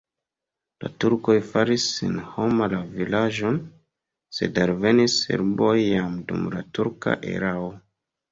La turkoj faris senhoma la vilaĝon, sed alvenis serboj jam dum la turka erao.